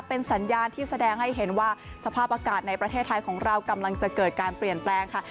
เป็นสัญญาณที่แสดงให้เห็นว่าสภาพอากาศในประเทศไทยของเรากำลังจะเกิดการเปลี่ยนแปลงค่ะ